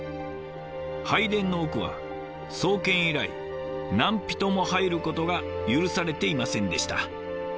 拝殿の奥は創建以来何人も入ることが許されていませんでした。